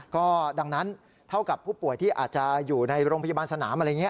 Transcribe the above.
ก็ดังนั้นเท่ากับผู้ป่วยที่อาจจะอยู่ในโรงพยาบาลสนามอะไรอย่างนี้